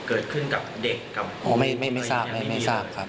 เกิดขึ้นกับเด็กกับครูอะไรอย่างนี้ไม่ได้เลยครับไม่ทราบไม่ทราบ